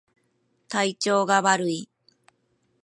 体調が悪い